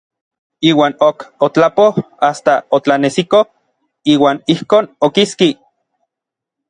Iuan ok otlapoj asta otlanesiko; iuan ijkon okiski.